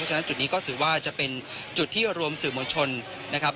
ฉะนั้นจุดนี้ก็ถือว่าจะเป็นจุดที่รวมสื่อมวลชนนะครับ